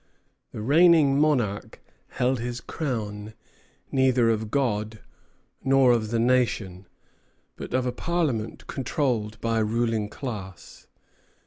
The reigning monarch held his crown neither of God nor of the nation, but of a parliament controlled by a ruling class.